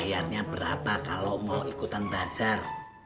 bayarnya berapa kalau mau ikutan bazar